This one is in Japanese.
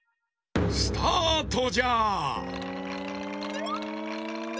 スタートじゃ！